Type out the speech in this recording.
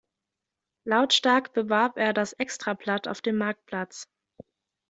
Lautstark bewarb er das Extrablatt auf dem Marktplatz.